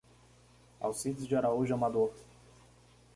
Alcides de Araújo Amador